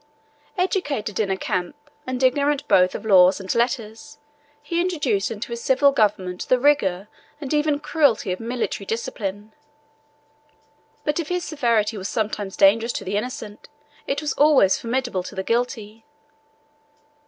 Educated in a camp, and ignorant both of laws and letters, he introduced into his civil government the rigor and even cruelty of military discipline; but if his severity was sometimes dangerous to the innocent, it was always formidable to the guilty.